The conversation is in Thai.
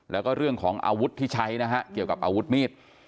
แล้วก็เรื่องของอาวุธที่ใช้นะฮะเกี่ยวกับอาวุธมีด